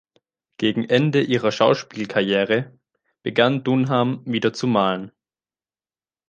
Gegen Ende ihrer Schauspielkarriere begann Dunham wieder zu malen.